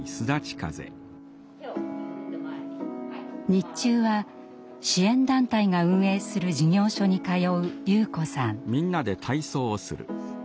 日中は支援団体が運営する事業所に通う、優子さん。